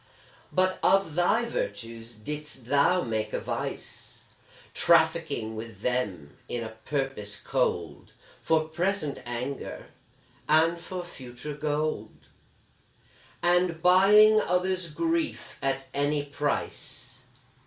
But of thy virtues didst thou make a vice, Trafficking with them in a purpose cold, For present anger, and for future gold And buying others' grief at any price.